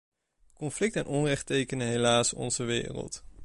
Conflict en onrecht tekenen helaas onze wereld.